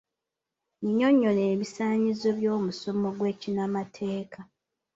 Nnyonnyola ebisaanyizo by'omusomo gw'ekinnamateeka